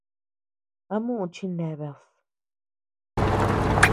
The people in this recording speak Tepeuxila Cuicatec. ¿A muʼu chineabed?